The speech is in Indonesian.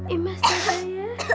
emas sudah ya